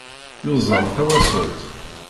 Yuẓam tawaṣult.